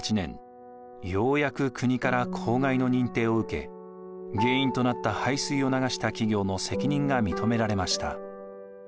ようやく国から公害の認定を受け原因となった廃水を流した企業の責任が認められました。